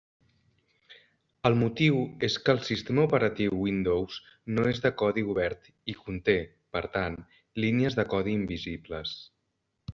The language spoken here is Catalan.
El motiu és que el sistema operatiu Windows no és de codi obert i conté, per tant, línies de codi invisibles.